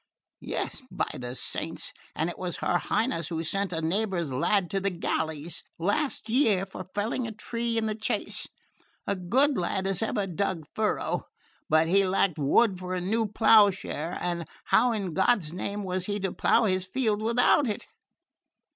Yes, by the saints, and it was her Highness who sent a neighbour's lad to the galleys last year for felling a tree in the chase; a good lad as ever dug furrow, but he lacked wood for a new plough share, and how in God's name was he to plough his field without it?"